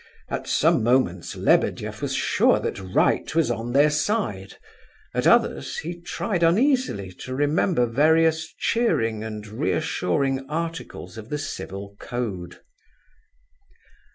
At some moments Lebedeff was sure that right was on their side; at others he tried uneasily to remember various cheering and reassuring articles of the Civil Code.